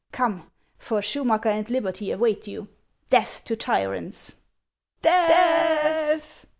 Come, for Schumacker and liberty await you. Death to tyrants •'" Death